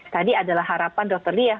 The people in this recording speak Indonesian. tadi adalah harapan dokter li ya